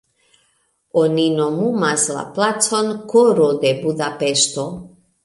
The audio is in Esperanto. Oni nomumas la placon "koro de Budapeŝto".